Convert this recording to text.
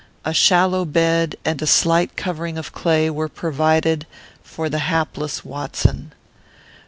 A shallow bed and a slight covering of clay were provided for the hapless Watson.